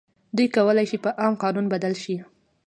دوی کولای شي په عام قانون بدل شي.